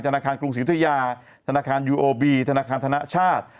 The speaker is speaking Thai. ธนาคารกรุงศรียุธยาธนาคารยูโอบีธนาคารธนชาติ